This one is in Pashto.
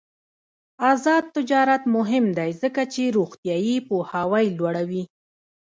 آزاد تجارت مهم دی ځکه چې روغتیايي پوهاوی لوړوي.